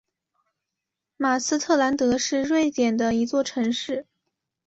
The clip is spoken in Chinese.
马斯特兰德是瑞典的一座城市。